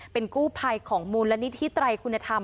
เป็นกู้ภัยของมูลนิธิไตรคุณธรรม